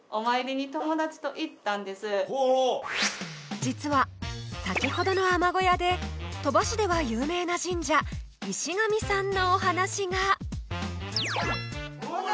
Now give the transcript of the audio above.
実は先ほどの海女小屋で鳥羽市では有名な神社「石神さん」のお話が！